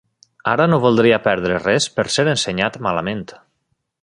Ara no voldria perdre res per ser ensenyat malament.